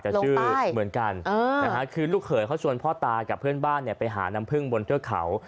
แต่ชื่อเหมือนกันคือลูกเขยเขาชวนพ่อตากับเพื่อนบ้านไปหาน้ำพึ่งบนเทือกเขา